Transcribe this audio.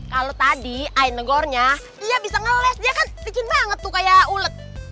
kalau tadi ain negornya dia bisa ngeles dia kan bikin banget tuh kayak ulet